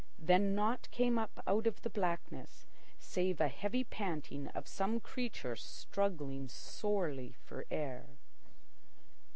Then naught came up out of the blackness save a heavy panting of some creature struggling sorely for air.